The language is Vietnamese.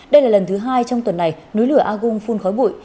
đây là lần thứ hai trong tuần này núi lửa agung phun khói bụi